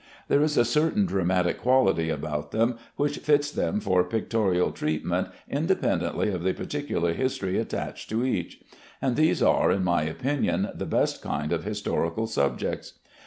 There is a certain dramatic quality about them which fits them for pictorial treatment, independently of the particular history attached to each; and these are, in my opinion, the best kind of historical subjects.